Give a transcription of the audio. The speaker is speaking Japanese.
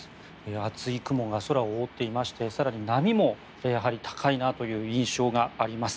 厚い雲が空を覆っていまして更に波も高いなという印象があります。